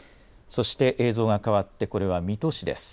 そして映像がかわって、これは水戸市です。